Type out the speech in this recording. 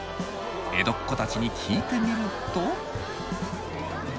江戸っ子たちに聞いてみると。